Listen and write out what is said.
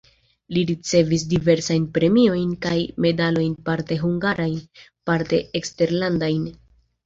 Li ricevis diversajn premiojn kaj medalojn parte hungarajn, parte eksterlandajn.